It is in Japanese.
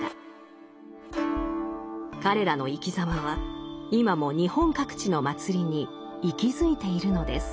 彼らの生きざまは今も日本各地の祭りに息づいているのです。